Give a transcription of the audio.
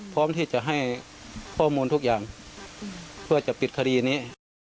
พร้อมที่จะให้ข้อมูลทุกอย่างเพื่อจะปิดคดีนี้